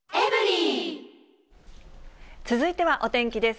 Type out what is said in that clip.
続いてはお天気です。